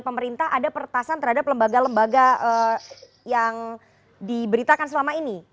pemerintah ada pertasan terhadap lembaga lembaga yang diberitakan selama ini